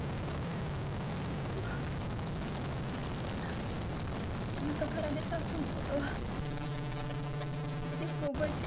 でもおなかから出たあとの事はよく覚えていません。